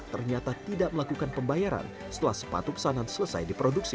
ternyata tidak melakukan pembayaran setelah sepatu pesanan selesai diproduksi